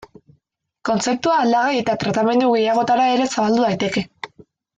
Kontzeptua aldagai eta tratamendu gehiagotara ere zabaldu daiteke.